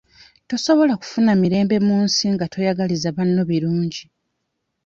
Tosobola kufuna mirembe mu nsi nga toyagaliza banno birungi.